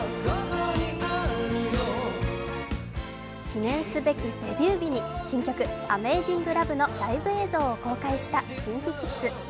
記念すべきデビュー日に新曲、「ＡｍａｚｉｎｇＬｏｖｅ」のライブ映像を公開したＫｉｎＫｉＫｉｄｓ。